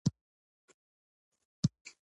غرور کول بد دي